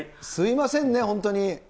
すみませんね、本当に。